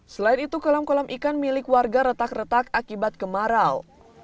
selain itu kolam kolam ikan milik warga retak retak akibat kemarau